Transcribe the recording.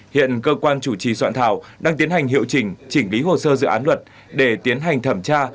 hiện cơ quan chủ trì soạn thảo đang tiến hành hiệu chỉnh chỉnh lý hồ sơ dự án luật để tiến hành thẩm tra